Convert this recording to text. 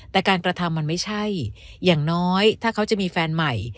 แต่การกระทำมันไม่ใช่อย่างน้อยถ้าเขาจะมีแฟนใหม่